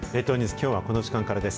きょうはこの時間からです。